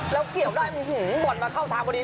แล้วเกี่ยวได้บ่อนมาเข้าทางพอดี